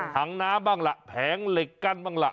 ถังน้ำบ้างล่ะแผงเหล็กกั้นบ้างล่ะ